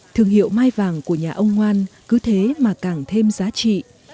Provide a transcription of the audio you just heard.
thương hiệu mai vàng của nhà ông ngoan cứ thế mà càng thêm giá trị